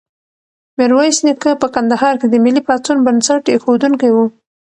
میرویس نیکه په کندهار کې د ملي پاڅون بنسټ ایښودونکی و.